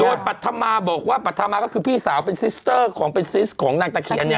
โดยปัธมาบอกว่าปรัฐมาก็คือพี่สาวเป็นซิสเตอร์ของเป็นซิสของนางตะเคียนเนี่ย